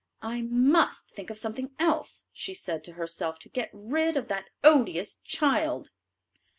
"I must think of something else," she said to herself, "to get rid of that odious child."